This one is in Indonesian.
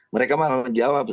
mereka malah menjawab